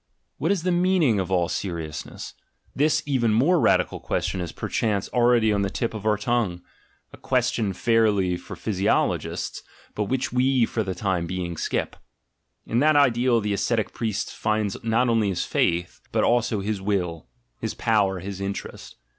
"What is the meaning of all seriousness?" This even more radical question is per chance already on the tip of our tongue: a question, fairly, for physiologists, but which we for the time being skip. In that ideal the ascetic priest finds not only his faith, but also his will, his power, his interest.